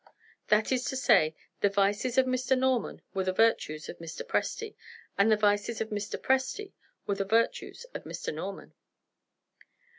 That is to say, the vices of Mr. Norman were the virtues of Mr. Presty; and the vices of Mr. Presty were the virtues of Mr. Norman.